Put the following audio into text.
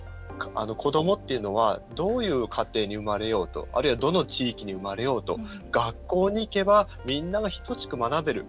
子どもっていうのはどういう家庭に生まれようとあるいはどの地域に生まれようと学校に行けばみんなが等しく学べる。